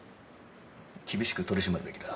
厳しく取り締まるべきだ。